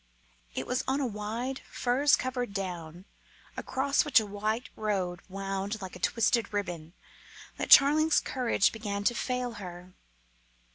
It was on a wide, furze covered down, across which a white road wound like a twisted ribbon, that Charling's courage began to fail her.